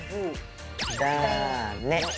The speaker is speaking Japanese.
「だね」